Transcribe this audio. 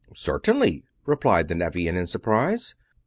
"Certainly," replied the Nevian, in surprise.